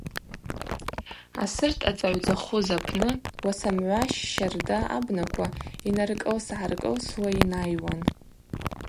Асырт ъацӏагӏвдзахуз апны уасамгӏващ щарда абнаква йнаркӏылсгӏаркӏылсуа йнайуан.